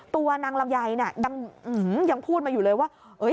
ตัวนางลาวยายเนี่ยยังพูดมาอยู่เลยว่า